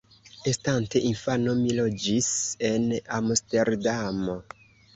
Estante infano mi loĝis en Amsterdamo.